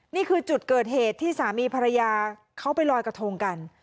นี่คือจุดเกิดเหตุที่สามีภรรยาเขาไปลอยกระทงกัน